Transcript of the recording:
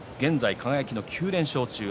輝の９連勝中です。